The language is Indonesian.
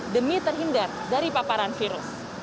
demi terhindar dari paparan virus